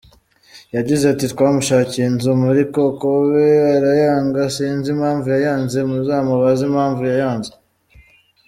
Yagize ati“Twamushakiye inzu muri Kokobe arayanga sinzi impamvu yayanze ,muzamubaze impamvu yayanze.